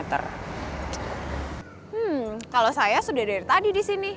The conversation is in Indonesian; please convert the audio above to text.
hmm kalau saya sudah dari tadi di sini